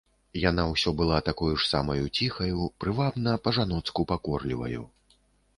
Яна ўсё была такою ж самаю ціхаю, прывабна, па-жаноцку пакорліваю.